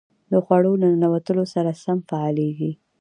د خوړو له ننوتلو سره سم فعالېږي.